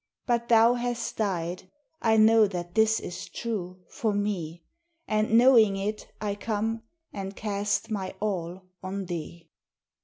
But thou hast died, I know that this is true for me, And, knowing it, I come, and cast my all on thee.